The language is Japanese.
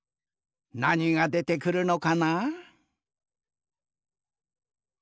なにがでてくるのかな？